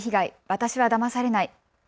私はだまされない。